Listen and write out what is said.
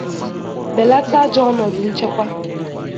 belata ajọ ọnọdụ nchekwa